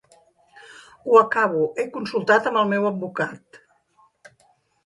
Ho acabo he consultat amb el meu advocat.